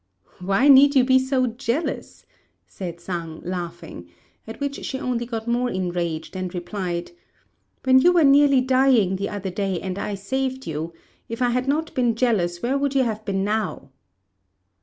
"Why need you be so jealous?" said Sang, laughing; at which she only got more enraged, and replied, "When you were nearly dying the other day and I saved you, if I had not been jealous, where would you have been now?"